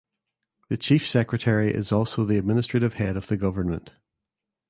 The chief secretary is also the administrative head of the government.